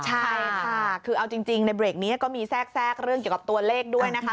ใช่ค่ะคือเอาจริงในเบรกนี้ก็มีแทรกเรื่องเกี่ยวกับตัวเลขด้วยนะคะ